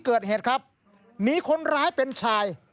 เกิดเหตุครับมีคนร้ายเป็นชาย